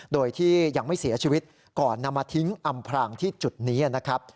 โดยที่ยังไม่เสียชีวิตก่อนนำมาทิ้งอำพรางที่จุดนี้นะครับ